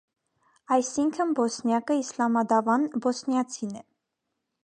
Այսինքն բոսնյակը իսլամադավան բոսնիացին է։